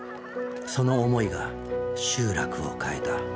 その思いが集落を変えた。